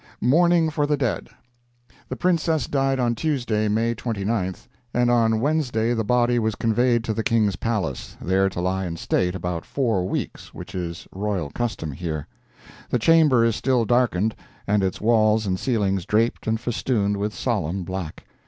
MOURNING FOR THE DEAD The Princess died on Tuesday, May 29th, and on Wednesday the body was conveyed to the King's palace, there to lie in state about four weeks, which is royal custom here. The chamber is still darkened, and its walls and ceilings draped and festooned with solemn black.